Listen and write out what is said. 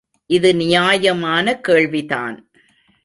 இது நியாயமான கேள்விதான்.